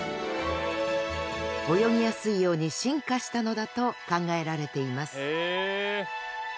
泳ぎやすいように進化したのだと考えられています